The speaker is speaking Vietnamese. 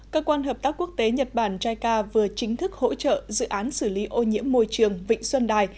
cơ quan hợp tác quốc tế nhật bản jica vừa chính thức hỗ trợ dự án xử lý ô nhiễm môi trường vịnh xuân đài